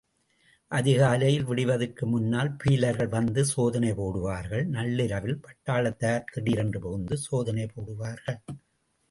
அதிகாலையில் விடிவதற்கு முன்னால் பீலர்கள் வந்து சோதனை போடுவார்கள் நள்ளிரவில் பட்டளாத்தார் திடீரென்று புகுந்து சோதனை போடுவார்கள்.